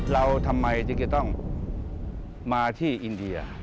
เราทำไมจึงจะต้องมาที่อินเดีย